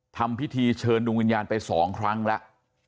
ทำพิธีเชิญดวงวิญญาณไป๒ครั้งแล้ว